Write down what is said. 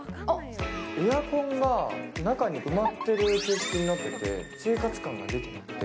エアコンが中に埋まってる設置になっていて、生活感が出てなくて。